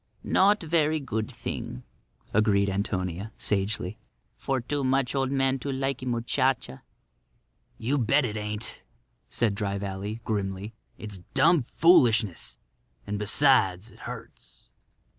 "Not verree good thing," agreed Antonia, sagely, "for too much old man to likee muchacha." "You bet it ain't," said Dry Valley, grimly. "It's dum foolishness; and, besides, it hurts."